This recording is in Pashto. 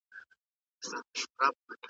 هغه د سزا موخه اصلاح بلله.